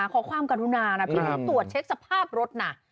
ขอความกรุณานะพี่หนุ่มตรวจเช็คสภาพรถนะ